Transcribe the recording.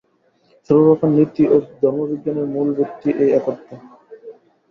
সর্বপ্রকার নীতি ও ধর্মবিজ্ঞানের মূলভিত্তি এই একত্ব।